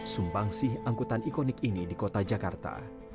sumbang sih angkutan ikonik ini di kota jakarta